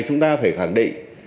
chúng ta phải khẳng định